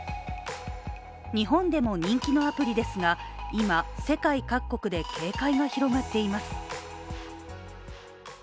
日本でも人気のアプリですが今、世界各国で警戒が広がっています。